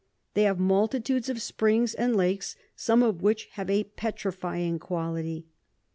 They have multitudes of Springs and Lakes, some of which have a petrifying quality.